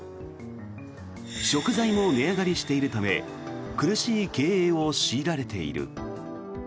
食材も値上がりしているため苦しい経営を強いられている。